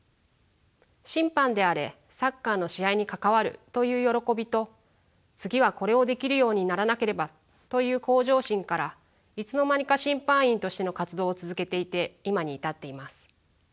審判であれサッカーの試合に関わるという喜びと次はこれをできるようにならなければという向上心からいつの間にか審判員としての活動を続けていて今に至っています。